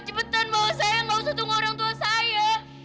cepetan bawa saya nggak usah tunggu orang tua saya